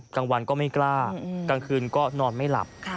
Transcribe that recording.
กลางวันก็ไม่กล้ากลางคืนก็นอนไม่หลับ